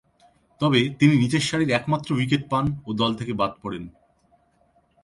তবে, তিনি নিচেরসারির একমাত্র উইকেট পান ও দল থেকে বাদ পড়েন।